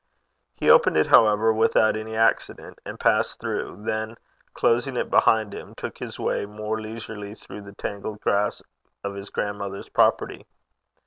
He opened it, however, without any accident, and passed through; then closing it behind him, took his way more leisurely through the tangled grass of his grandmother's property.